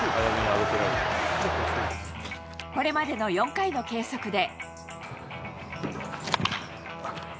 これまでの４回の計測で。